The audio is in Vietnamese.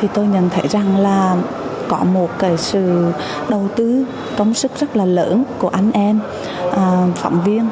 thì tôi nhận thấy rằng là có một cái sự đầu tư công sức rất là lớn của anh em phạm viên